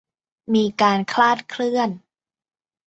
มีการคลาดเคลื่อน